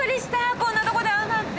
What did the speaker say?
こんなとこで会うなんて。